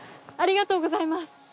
ありがとうございます。